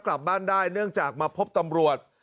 กลับบ้านได้เนื่องจากมาพบตำรวจ